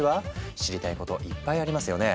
知りたいこといっぱいありますよね？